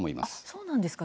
そうなんですか。